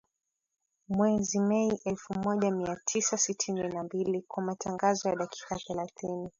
Mwezi Mei elfu moja mia tisa sitini na mbili kwa matangazo ya dakika thelathini